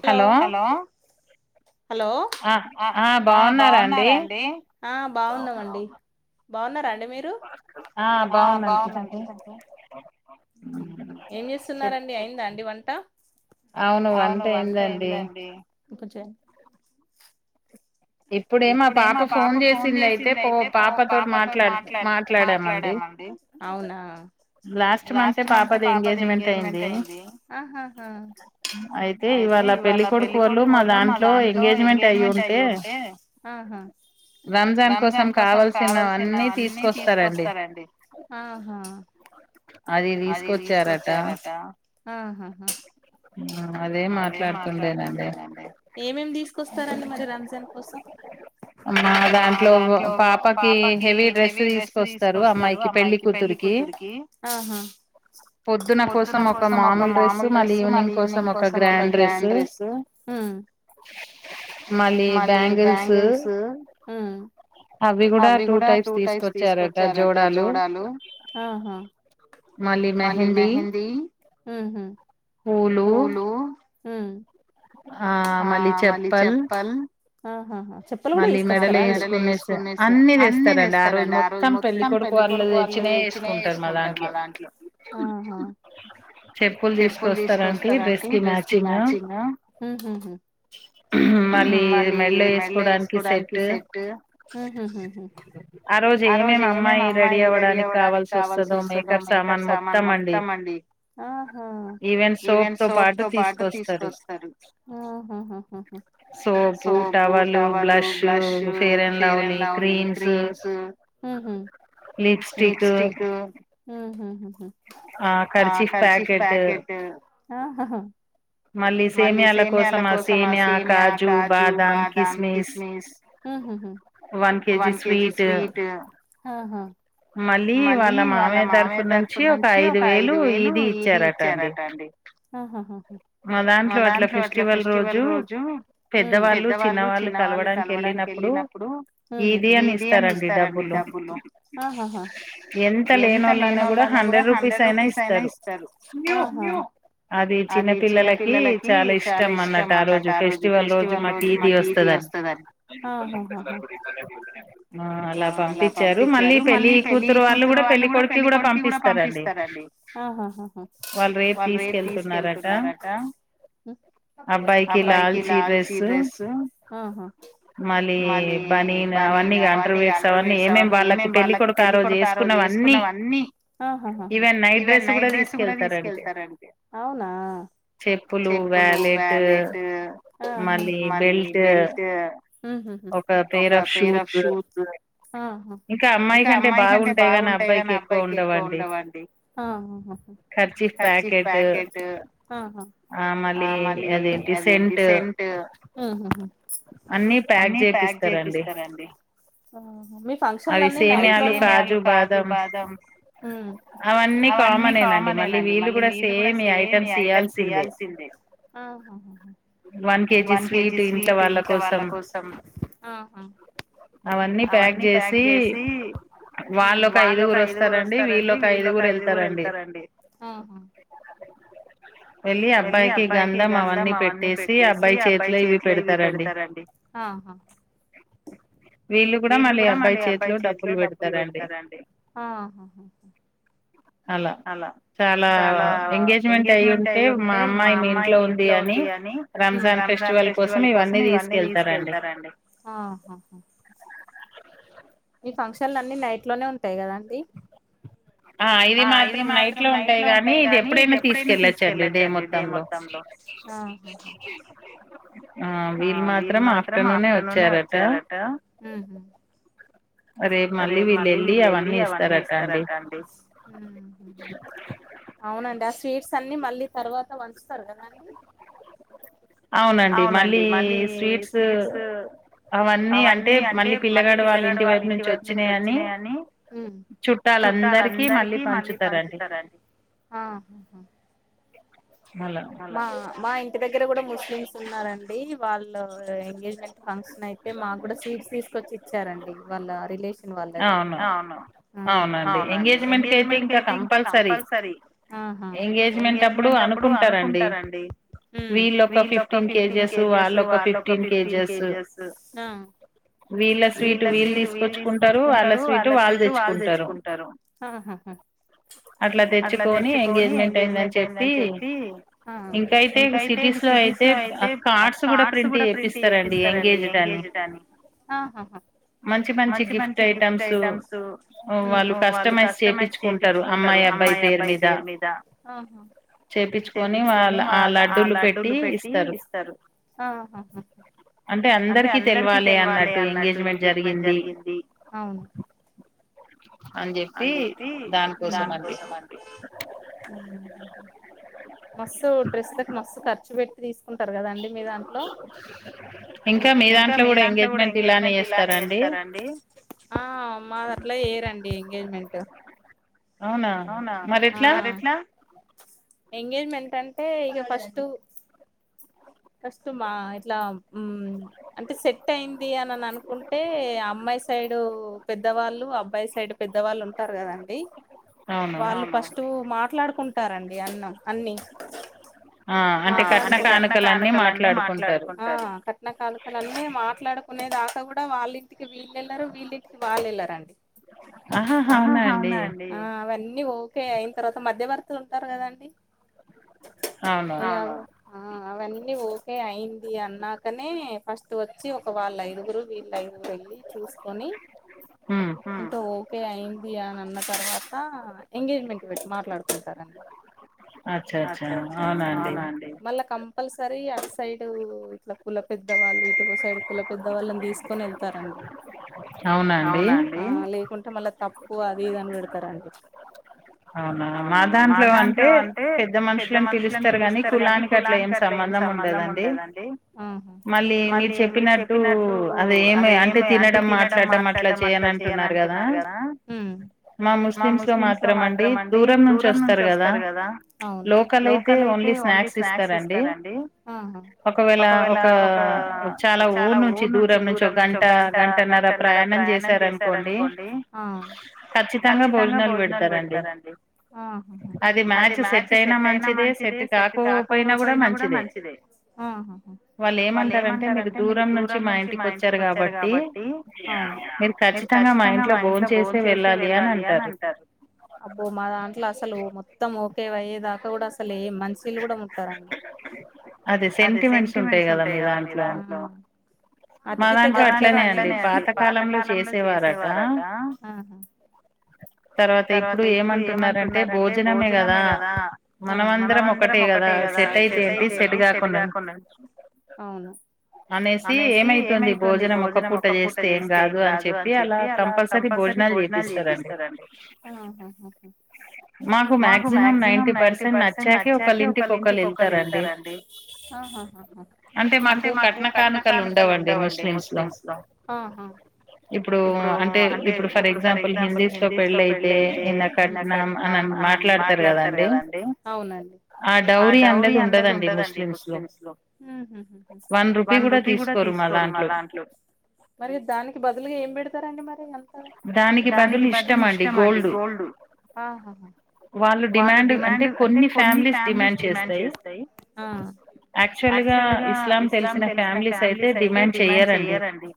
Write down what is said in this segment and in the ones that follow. Hello hello hello ఆ బాగున్నారా అండి ఆ బాగున్నామండి బావున్నారా అండి మీరు ఆ బాగున్నా అండి మీరు అండి ఏం చేస్తున్నారండి అయిందా అండి వంట అవును వంట ఎందండి ఇప్పుడే మా పాప ఫోన్ చేసింది అయితే పో పాప తోటి మాట్లా మాట్లాడామండి అవునా లాస్ట్ మంతే పాపది ఎంగేజ్మెంట్ అయింది ఆహా హా అయితే ఇవాళ పెళ్లి కొడుకు వాళ్ళు మా దాంట్లో ఎంగేజ్మెంట్ అయి ఉంటే ఆహా రంజాన్ కోసం కావాల్సినవన్నీ తీసుకొస్తారండి ఆహా హా అది తీసుకొచ్చారట ఆహా హా హా అదే మాట్లాడుతుండేనండి ఏమేమి తీసుకొస్తారండి మరి రంజాన్ కోసం మా దాంట్లో పాపకి హెవీ డ్రెస్ తీసుకొస్తారు అమ్మాయికి పెళ్లి కూతురుకి ఆహా హా పొద్దున్న కోసం ఒక మామూల్ డ్రెస్ మళ్ళీ ఈవినింగ్ కోసం ఒక గ్రాండ్ డ్రెస్ హూ మళ్ళీ బ్యాంగిల్స్ హు అవి కూడా టూ టైప్స్ తీసుకొచ్చారట జోడాలు ఆహా మళ్ళీ మెహందీ ఉహు పూలు ఉ ఆ మళ్ళీ చెప్పల్ ఆహాహా చెప్పులు కూడా తీసుకొస్తారండి మెడలో వేసుకునేది అన్ని తెస్తారు ఆరోజు మొత్తం పెళ్ళికొడుకు వాళ్లు తెచ్చినయే వేసుకుంటారు మా దాంట్లో ఆహా చెప్పులు తీసుకొస్తారండీ డ్రెస్ కి మ్యాచింగ్ హుహు మళ్ళీ మేడలోవేసుకునే పెట్టుకోడానికి సెట్ ఉహు ఆ రోజు ఏమేం అమ్మాయి రెడీ అవ్వడానికి కావాల్సి వస్తుందో మేకప్ సామాన్ మొత్తం అండి అహ ఈవెన్ సోప్ తో పాటు తీసుకొస్తరు ఉహుహు సోపు టవల్ పళ్ళు brush fair and lovely creams ఉహు లిఫ్టిక్ ఉహు ఆ కర్చిప్ ప్యాకెటూ ఆహా హా మళ్ళీ సేమ్యాల కోసం సేమియా కాజు బాదాం కిస్మిస్ వన్ కేజీ స్వీట్ ఆహా మళ్ళీ వాళ్ళ మామయ్య తరుపు నుంచి ఒక ఐదు వేలు ఇది ఇచ్చారట అండి హు హు మా దాంట్లో అట్ల ఫెస్టివల్ రోజు ఉ పెద్దవాళ్ళు చిన్న వాళ్ళు కలవడానికి వెళ్ళినప్పుడు ఉహ ఈది అని ఇస్తారండి డబ్బులు ఆఆహ ఎంత లేనోలన్న కూడా హండ్రఢ్ రూపీస్ అయినా ఇస్తారు న్యూ అది చిన్న పిల్లలకి చాలా ఇష్టం అన్నట్టు అ రోజు ఫెస్టివల్ రోజు మాకు ఇది వస్తదని ఆ అలా పంపించారు మళ్ళీ పెళ్లి పెళ్లి కూతురు వాళ్ళు కూడా పెళ్ళ కొడుకి కూడా పంపిస్తారండి. ఆహహ హా వాళ్ళు రేపు తీసుకెళ్తున్నారాట్ అబ్బాయికి లాల్చీ డ్రెస్సు, ఆహా మళ్ళీ బనీను, అవన్నీ అండర్వేర్స్, అవన్నీ ఏమేమ్ వాళ్ళకి తెలి కొడుకు ఆరోజు ఏసుకున్నవన్ని. అహహ ఈవెన్ నైట్ డ్రెస్ కూడా తీసుకెళ్తారంటే. అవునా చెప్పులు వ్యాలెటు, ఆహ మళ్ళీ బెల్టు, ఉహుహు ఒక పేర్ ఆఫ్ షూస్ ఆహ ఇంకా అమ్మాయి ఎందుకంటే బాగుంటాయి. గానీ అబ్బాయికి ఎక్కువ ఉండవండి. ఆహా హా కార్చీఫ్ ప్యాకెటు ఆ ఆహ ఆ మళ్ళీ అదేంటి సెంటు. ఉహుహు అన్నీ ప్యాక్ జేపిస్తారండి. ఆహా మీ ఫంక్షన్లన్ని నైట్లోనే. అది ఫేమ్యాక్ లు కాజు బాదం. హు అవన్నీ కామనేనండ. మళ్ళీ వీళ్ళు కూడా సేమ్ ఈ ఐటమ్స్ ఇయాల్సిందే. ఆహా హా వన్ కేజీ సేమ్ ఇంట్లో వాళ్ళ కోసం అవన్నీ ప్యాక్ జేసి హు వాళ్ళోక ఐదుగురు వస్తారండి. వీళ్ళోక ఐదుగురు ఏళ్తారండి. ఆహా వెళ్ళి అబ్బాయికి గంధం అవన్నీ పెట్టేసి అబ్బాయి చేతిలో ఇవి పెడిత్ పెడతరండి. ఆహా వీళ్ళు కూడా మళ్ళీ అబ్బాయి చేతిలో డబ్బులు పెడతారండి. అలా చాలా ఎంగేజ్మెంట్ అయి ఉంటే మా అమ్మాయి మీ ఇంట్లో ఉంది అని రంజాన్ ఫెస్టివల్ కోస్ డల్ కోసం ఇవన్నీ తీసుకెళ్తారండి. ఆహా హా మీ ఫంక్షన్లున్ని నైట్ లోనే ఉంటాయి. గదండి ఆ ఇది మాత్రం నైట్ లో ఉంటాయి. గానీ ఇది ఎప్పుడైనా తీసుకెళ్ళొచ్చండి. డే మొత్తంలో ఆ వీళ్ళు మాత్రం ఆఫ్టర్నూనే వచ్చారట. హుహు రేపు మళ్ళీ వీళ్ళు వెళ్ళి అవన్నీ ఇస్తారంటండీ. స్వీట్స్ అన్ని మళ్ళీ తర్వాత పంచుతారు. కాదండి అవునండి. మళ్ళీ స్వీట్స్ అవన్నీ అంటే మళ్ళీ పిల్లగడు వాళ్ళ ఇంటి వైపు నుంచి వచ్చినాయని చుట్టాల అందరికి మళ్ళీ పంచుతారండి. మా మా ఇంటి దగ్గరగో పుడమ్ ముస్లిమ్స్ ఉన్నారండి. వాళ్ళు ఎంగేజ్మెంట్ ఫంక్షనైతే, మాగూడ స్వీట్స్ తీసుకొచ్చి ఇచ్చారండి. వాళ్ళ రిలేషన్ వాళ్ళది ఆ అవును ఆ అవునండి. ఎంగేజ్మెంట్ కైతే కంపల్సరీ. ఎంగేజ్మెంట్ అప్పుడు కుంటారండి. హు వీళ్ళొక ఫిఫ్టీన్ కేజెసు, వాళ్ళొక ఫిఫ్టీన్ కేజెసు. ఆ వీళ్ళ స్వీట్ వీళ్ళు తీసుకొచ్చుకుంటారు. వాళ్ళ స్వీట్ వాళ్ళు తెచ్చుకుంటారు. ఆహాహా అట్లా తెచ్చుకొని, ఎంగేజ్మెంట్ అయిందని చెప్పి. ఇకై సిటీస్ లో అయితే కార్డ్స్ కూడా ప్రింట్ చేపిస్తారండి ఎంగేజ్డ్ అని మంచి మంచి గిఫ్ట్ ఐటమ్స్ వాళ్ళు కస్టమైజ్ చేయించుకుంటారు అమ్మాయి అబ్బాయి పేరు మీద. కొని వాళ్ళ ఆ లడ్డూలు పెట్టి ఇస్తారు అంటే అందరికి తెలివాలి అన్నట్టు ఎంగేజ్మెంట్ జరిగింది అని చెప్పి దాని కోసం అండి మస్సు డ్రెస్ లక్ మాస్సు ఖర్చు పెట్ ది తీసుకున్ స్తారు కదా అండి మీ దాంట్లో ఇంకా మీ దాంట్లో కూడా ఎంగేజ్మెంట్ ఇలానే చేస్తారా అండి ఆ మా దాంట్లో చేయరండి ఎంగేజ్మెంట్ అవునా మరి ఎట్లా ఎంగేజ్మెంట్ అంటే ఇక ఫస్ట్ ఫస్ట్ మా ఇట్లా ఉమ్ అంటే సెట్ అయింది అని అనుకుంటే అమ్మాయి సైడ్ పెద్దవాళ్ళు అబ్బాయి సైడ్ పెద్దవాళ్ళు ఉంటారు కదండి వాళ్ ఫస్ట్ మాట్ మాట్లాడుకుంటారండి అన్నం అన్ని ఆ అంటే కట్న కానుకలు అన్ని మాట్లాడుకుంటారు ఆల్అన్నీ మాట్లాడుకునే దాకా కూడా వాళ్ళింటి. టికీ విల్లెలరు వీళ్ళింటికి వాల్లెలరండి అహహ అవునా అండి ఆ అవన్నీ ఒకే అయినతర్వత మధ్యవర్త్. తుంటరు కదండి. ఆ అవన్నీ ఓకే అయింది అన్ నాకనే ఫస్ట్. ఇటు వచ్చి ఒక వాళ్ ఐదుగురు వీళ్ ఐద్. వెళ్లి చూసుకొని. అంత ఓ ఒకే అయింది అని అన్న తర్వాత ఎంగేజ్మెంట్ పెట్టి మాట్లాడుకుంటారండి. అవునండి మళ్ళ కమ్ పల్సరీ అటు సైడు ఇట్లా కుల పెద్దవాళ్ళు ఇటుక సైడ్ కుల పెద్ద వాళ్ళని తీసుకొని వెళ్తారండి. అవునాఅండి కుంటే మళ్ళ తప్పు అది ఇది అని పెడతారండి. అవునా మా దాంట్లో అంటే. పెద్ద మనుషులని పిలుస్తారు కానీ కులానికి అట్లా ఏం సంబంధం ఉండదండి మళ్ళీ మీరు చెప్పినట్టు అది ఏమి అంటే తినడం మాట్లాడడం అట్లా చేయనంటున్నారు కదా మా ముస్లిమ్స్ లో మాత్ డి దూరం నుంచి వస్తారు కదా. అవును ఆ హ ఆ అ సెట్ అయినా మంచిదే సెట్ కాకపోయినా కూడా మంచిదే వాళ్ళు ఏమంటారంటే మీరు దూరం నుంచి మా ఇంటికి వచ్చారు కాబట్టి మీరు ఖచ్చితంగా మా ఇంట్లో బోన్ చేసే వెళ్ళాలి అని అంటారు. ఓ మా దాంట్లో అసలు మొత్తము కేవైడ్ దాకా కూడా అసలు ఏ మంచినీళ్ళు కూడా ముట్టరండి అది సెంటిమెంట్స్ ఉంటాయి కదా మీ దాంట్లో మాదంట్ల అట్లనే అండి పాతకాలంలో చేసేవారట తర్వాత ఇప్పుడు ఏమంటున్నారంటే భోజనమే కదా. మనమందరం ఒకటే కదా సెట్ అయితే ఏంటి సెట్ కాకున్నా అనేసి ఏమ్ అయితుంది భోజనం ఒక్కపూట చేస్తే ఏం కాదు అని చెప్పి అలా కంపల్సరీ భోజనాలు చెపిస్తరండి మాకు మాక్సిమం నైన్. అసలు నచ్చాకే ఒకళ్ళ ఇంటికి ఒకళ్ళు ఎల్తరండి అంటే మాకు కట్న కానుకలు ఉండవండి ముస్లిమ్స్ లో ఇప్పుడు అంటే ఇప్పుడు ఫర్ ఎగ్జాంపుల్ హిందీస్ లో పెళ్ళ అయితే ఇంద కట్నం అని మాట్లాడతారు కదండి. అవునండి ఆ డౌరీ అన్నది ఉండదు ముస్లిమ్స్ లో వన్ రూపీ కూడా తీసుకోరు మా దాంట్లో. దానికి బదులు ఇష్టం అండి గోల్డ్ వాళ్ళు డిమాండ్ అంటే కొన్ని కొన్ని ఫ్యామిలీస్ డిమాంట్ చేస్తయి యాక్చువల్ గా ఇస్లాం తెలిసిన ఫ్యామిలీస్ ఐతే డిమాండ్ చేయరండి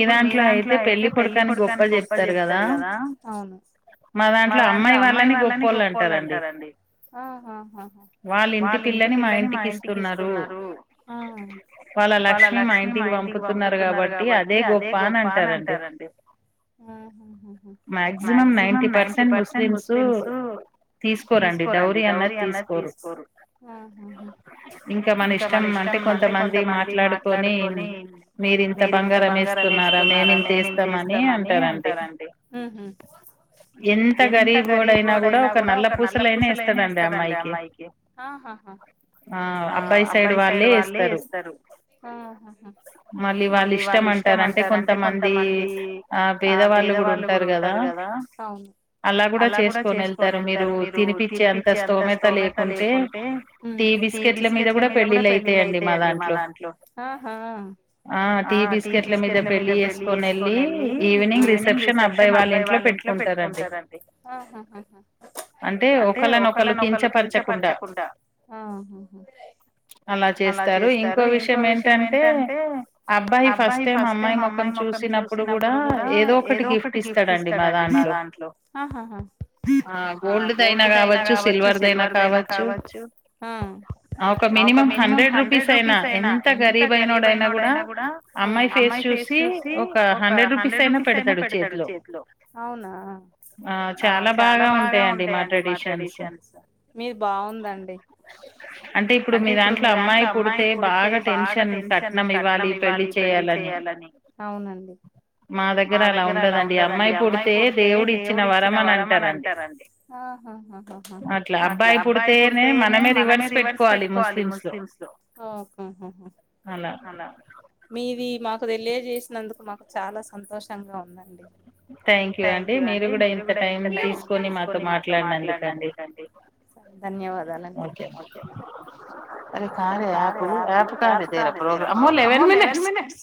ఇప్పుడు మీ అయితే పెళ్లి కొడుకని గొప్ప చెప్తారు కదా మా దాంట్లో అమ్మాయి వాళ్ళని గొప్ప అంటారండి వాళ్ళ ఇంటి పిల్లని మా ఇంటికి ఇస్తున్నారు వాళ్ళ లక్ష్మి మా ఇంటికి పంపుతున్నారు కాబట్టి అదే గొప్ప అని అంటరండి మాక్సింమం నైన్టీ పర్సెంట్ ముస్లిస్ తీసుకోరండి డౌరీ అన్నది తీసుకోరు ఇంకా మన ఇష్టం అంటే కొంతమంది మాట్లాడుకొని మీరింత బంగారం మారా మేమింతెస్తాం అని అంటారండి ఎంత గరీబోడైనా కూడా ఒక నల్ల పూసలైన వేస్తడండి అమ్మాయి కి ఆ అబ్బాయి సైడ్ వల్లే ఎస్తారు మళ్ళీ వాళ్ళ ఇష్ ఇష్టంటారు అంటే కొంతమంది ఆ పేదవాళ్ళు కూడా ఉంటారు కదా అలా కూడా చేసుకోని వెళ్ టారు మీరు తినిపించేంత స్థోమత లేకుంటే టీ బిస్కట్ ల మీద కూడా పెళ్ళిళ్ళు అయితయండి మా దాంట్లో ఆ. టీ బిస్కెట్ల మీద పెళ్లి చేసుకని వెళ్ళి ఈవినింగ్ రిసెప్షన్ అబ్బాయి వాళ్ళ ఇంట్లో పెట్టుకుంటారండి. అంటే ఒకళని ఒకరు కించపరచకుండా అలా చేస్తారు ఇంకో విషయం ఏంటంటే అబ్బాయి అతే మా అమ్మాయి ముఖం చూసినప్పుడు కూడా ఏదో ఒకటి గిఫ్ట్ ఇస్తాడండి మా దాంట్లో. ఆ గోల్డ్ దైన కావచ్చు సిల్వర్ కావచ్చు ఒక మినిమం హండ్రెడ్ రూస్ అయిన ఎంత గరీబయినోడైనా గూడా ఫేస్ చూసి ఒక హండ్రెడ్ రూపీస్ అయినా పెడతాడు చేతిలో ఆ చాలా ఉంట అండి మా ట్రెడిషన్స్ అంటే ఇప్పుడు మీ దాంట్లో అమ్మాయి పుడితే బాగా టెన్షన్ కట్నం ఇవ్వాలి పెళ్లి చేయాలి. అవునండి మా దగ్గర అలా ఉండదండి అమ్మాయి పడితే దేవుడు ఇచ్చిన వరం అని అం అట్లా అబ్బాయి పుడితేనె మనమొ రివర్స్ పెట్టుకోవాలి ముస్లిమ్స్ లో అలా మిది మక్ తెలియజేసినందుకు మాకు చాలా సంతోషంగా ఉందండి థ్యాంక్ యూ అండి మీరు కూడా ఇంత టైం తీసుకు తీసుకని మాతో మాట్లాడినందుకండి ధన్యదాలండి కార్ యాప్ యాప్ కారే ప్రోగ్రాం అమ్మో లెవెన్ మినిట్స్